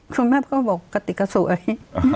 คุณแม่ก็บอกกะติกก็สวย